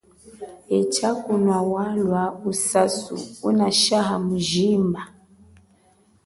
Etsha kunwa walwa usasu unashaha mujimba.